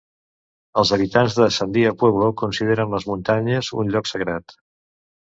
Els habitants de Sandia Pueblo consideren les muntanyes un lloc sagrat.